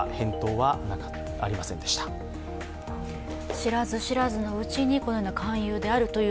知らず知らずのうちにこのような勧誘であるという、